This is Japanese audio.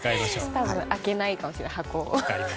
開けないかもしれないです箱を。